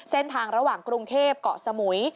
เส้นทางระหว่างกรุงเทพเกาะสมุย